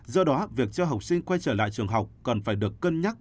do đó việc cho học sinh quay trở lại trường học cần phải được cân nhắc